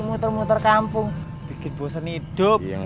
muter muter kampung bikin bosan hidup yang